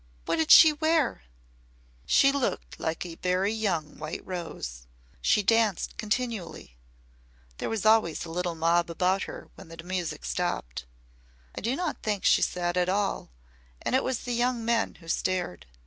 What did she wear?" "She looked like a very young white rose. She danced continually. There was always a little mob about her when the music stopped. I do not think she sat at all, and it was the young men who stared.